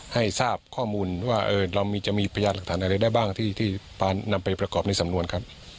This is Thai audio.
ให้ทราบข้อมูลว่าเราจะมีพยานหลักฐานอะไรได้บ้างที่นำไปประกอบในสำนวนครับ